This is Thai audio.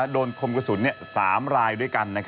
โดนคมกระสุน๓รายอยู่ด้วยกัน